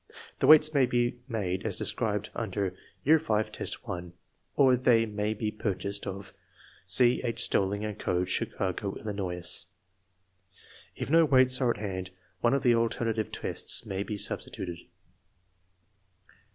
The weights may be made as described under V, 1, or they may be pur chased of C. H. Stoelting & Co., Chicago, Illinois. If no weights are at hand one of the alternative tests may be substituted.